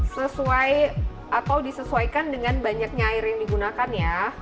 sesuai atau disesuaikan dengan banyaknya air yang digunakan ya